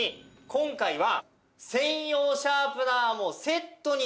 今回は。